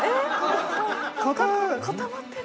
固まってる。